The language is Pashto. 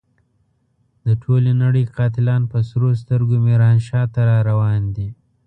د ټولې نړۍ قاتلان په سرو سترګو ميرانشاه ته را روان دي.